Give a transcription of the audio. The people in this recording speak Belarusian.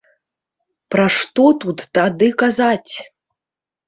Пра што тут тады казаць!